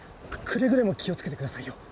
くれぐれも気をつけてくださいよ。